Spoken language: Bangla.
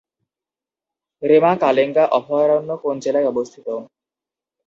রেমা-কালেঙ্গা অভয়ারণ্য কোন জেলায় অবস্থিত?